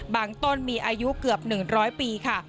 ต้นมีอายุเกือบ๑๐๐ปีค่ะ